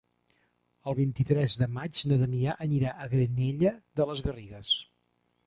El vint-i-tres de maig na Damià anirà a Granyena de les Garrigues.